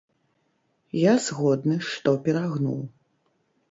Я згодны, што перагнуў.